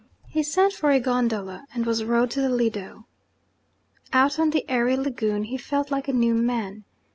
He sent for a gondola, and was rowed to the Lido. Out on the airy Lagoon, he felt like a new man.